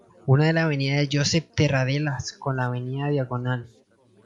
Une la avenida de Josep Tarradellas con la avenida Diagonal.